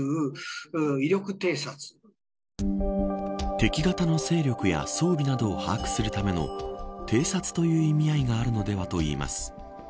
敵方の勢力や装備などを把握するための偵察という意味合いがあるのではといいます。